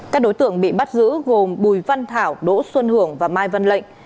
các đối tượng bị bắt giữ gồm bùi văn thảo đỗ xuân hưởng và mai văn lệnh